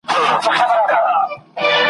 چي د قلم د زیندۍ شرنګ دي له پېزوانه نه ځي ,